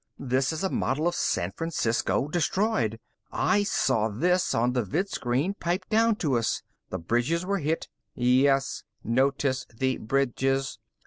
"This is a model of San Francisco, destroyed. I saw this on the vidscreen, piped down to us. The bridges were hit " "Yes, notice the bridges."